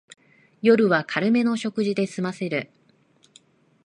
夜は軽めの食事ですませる